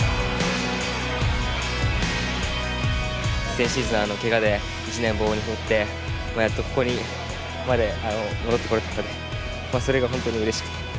先シーズンけがで１年棒に振ってやっとここまで戻ってこれたのでそれが本当にうれしくて。